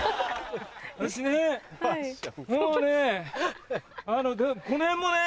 私ねもうこの辺もね